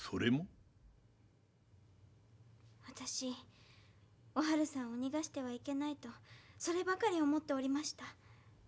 私おはるさんを逃がしてはいけないとそればかり思っておりました。